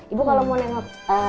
ibu kalau mau nengok